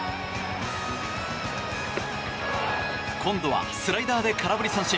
今度はスライダーで空振り三振。